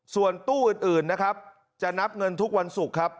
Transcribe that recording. ส่วนตู้อื่นนะครับจะนับเงินทุกวันศุกร์ครับ